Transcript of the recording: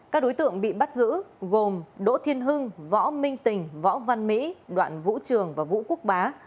các đối tượng bị bắt giữ gồm đỗ thiên hưng võ minh tình võ văn mỹ đoạn vũ trường và vũ quốc bá